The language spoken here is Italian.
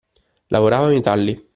Lavorava metalli